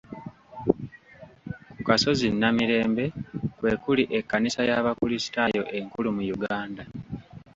Ku kasozi Namirembe kwe kuli ekkanisa y'Abakristaayo enkulu mu Uganda.